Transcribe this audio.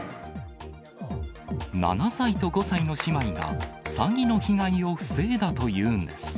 ７歳と５歳の姉妹が詐欺の被害を防いだというのです。